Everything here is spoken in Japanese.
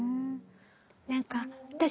何か私